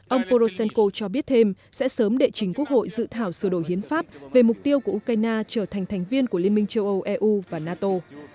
ông poroshenko cho biết thêm sẽ sớm đệ chính quốc hội dự thảo sửa đổi hiến pháp về mục tiêu của ukraine trở thành thành viên của liên minh châu âu eu và nato